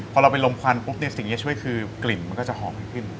พอเราไปลมควันปุ๊บเนี่ยสิ่งที่จะช่วยคือกลิ่นมันก็จะหอมให้ขึ้น